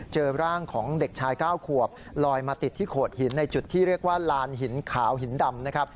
เจอร่างของเด็กชาย๙ขวบลอยมาติดที่โขดหินในจุดที่เรียกว่าลานหินขาวหินดำนะครับ